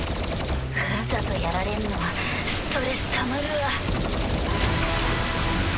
わざとやられんのストレスたまるわ。